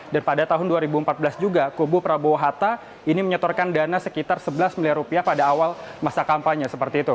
dan pada tahun dua ribu empat belas juga kubu prabowo hatta ini menyetorkan dana sekitar sebelas miliar rupiah pada awal kampanye